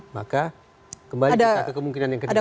maka kembali ke kemungkinan yang ketiga